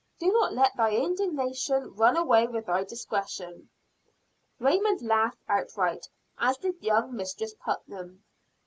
Do not let thy indignation run away with thy discretion." Raymond laughed outright, as did young Mistress Putnam.